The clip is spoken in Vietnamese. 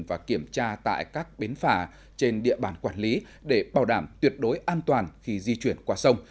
và kiểm tra tại các bến phà trên địa bàn quản lý để bảo đảm tuyệt đối an toàn khi di chuyển qua sông